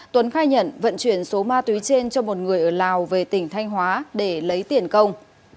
tuấn khai nhận vận chuyển số ma túy trên cho một người ở lào về tỉnh thanh hóa để lấy tiền công